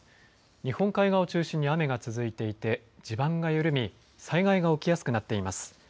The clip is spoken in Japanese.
日本海側を中心に雨が続いていて、地盤が緩み、災害が起きやすくなっています。